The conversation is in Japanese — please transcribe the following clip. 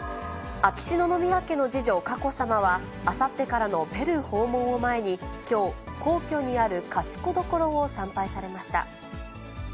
秋篠宮家の次女、佳子さまは、あさってからのペルー訪問を前に、きょう、皇居にある賢所を参拝されました。